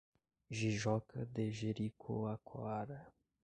Jijoca de Jericoacoara